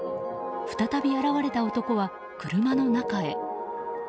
再び現れた男は車の中へ。